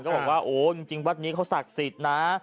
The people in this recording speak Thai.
บอกว่าโอ้จริงวัดนี้เขาศักดิ์สิทธิ์นะ